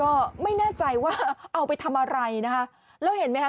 ก็ไม่แน่ใจว่าเอาไปทำอะไรนะคะแล้วเห็นไหมคะ